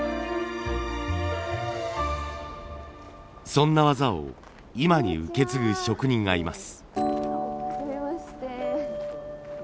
そんな技を今に受け継ぐ職人がいます。